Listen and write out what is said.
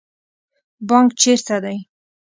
بانک چیرته دی؟